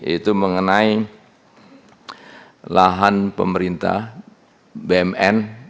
itu mengenai lahan pemerintah bumn